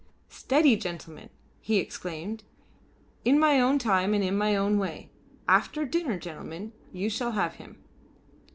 "Steady, gentlemen!" he exclaimed. "In my own time and in my own way. After dinner, gentlemen, you shall have him."